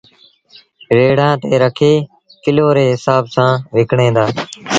ريڙآݩ تي رکي ڪلو ري هسآب سآݩ وڪڻيٚن دآ